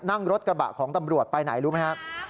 นั่งรถกระบะของตำรวจไปไหนรู้ไหมครับ